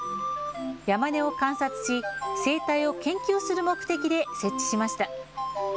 ヤマネを観察し、生態を研究する目的で設置しました。